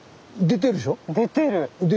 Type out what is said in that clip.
出てるでしょ？